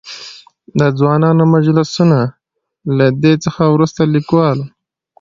د ځوانانو مجلسونه؛ له دې څخه ورورسته ليکوال.